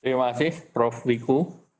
terima kasih prof wiku